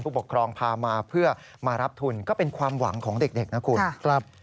ผู้ปกครองพามาเพื่อมารับทุนก็เป็นความหวังของเด็กนะคุณครับ